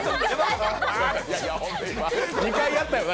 ２回やったよな？